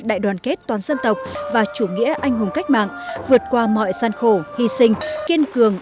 đại đoàn kết toàn dân tộc và chủ nghĩa anh hùng cách mạng vượt qua mọi gian khổ hy sinh kiên cường